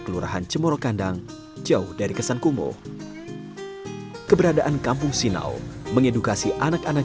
kelurahan cemorokandang jauh dari kesan kumuh keberadaan kampung sinaw mengedukasi anak anak